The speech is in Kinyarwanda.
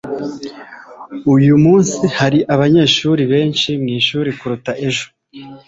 uyu munsi hari abanyeshuri benshi mwishuri kuruta ejo